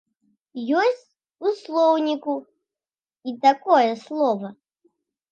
Ёсць у слоўніку і такое слова.